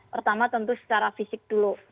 pertama tentu secara fisik dulu